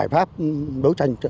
giải pháp đấu tranh cho